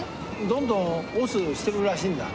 どんどん押忍してるらしいんだ。